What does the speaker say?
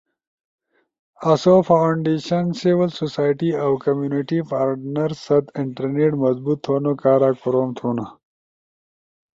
آسو فاونڈیشن، سیول سوسائٹی اؤ کمیونٹی پارٹنر ست انٹرنیٹ مضبوط تھونو کارا کوروم تھونا،